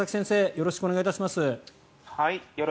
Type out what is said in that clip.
よろしくお願いします。